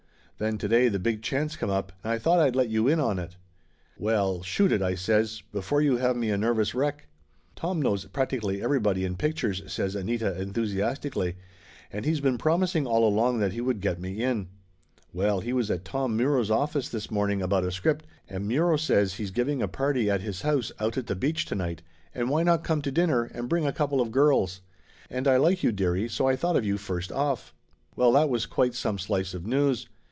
Then to day the big chance come up and I thought I'd let you in on it." "Well shoot it," I says, "before you have me a nervous wreck." "Tom knows practically everybody in pictures," says Anita enthusiastically. "And he's been promising all along that he would get me in. Well, he was at Tom Laughter Limited 107 Muro's office this morning about a script, and Muro says he's giving a party at his house out at the beach to night and why not come to dinner and bring a couple of girls? And I like you, dearie, so I thought of you first off." Well, that was quite some slice of news.